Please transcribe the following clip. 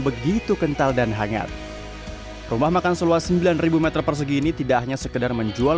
begitu kental dan hangat rumah makan seluas sembilan ribu meter persegi ini tidak hanya sekedar menjual